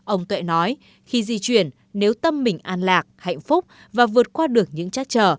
ông tuệ nói khi di chuyển nếu tâm mình an lạc hạnh phúc và vượt qua được những trác trở